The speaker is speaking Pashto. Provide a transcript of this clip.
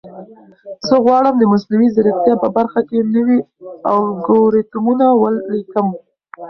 زه غواړم د مصنوعي ځیرکتیا په برخه کې نوي الګوریتمونه ولیکم.